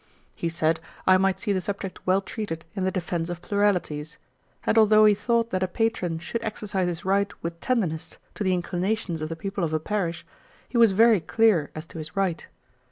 He said, I might see the subject well treated in the Defence of Pluralities; and although he thought that a patron should exercise his right with tenderness to the inclinations of the people of a parish, he was very clear as to his right.